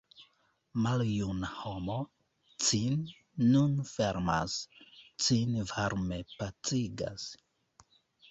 Maljuna homo cin nun fermas, cin varme pacigas.